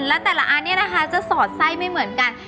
แล้วแต่ละอันนี้นะคะจะสอดไส้ไม่เหมือนกัน